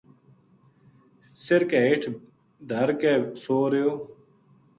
سِر کے ہیٹھ دھر کے سو رہیو